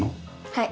はい。